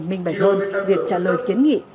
minh bạch hơn việc trả lời kiến nghị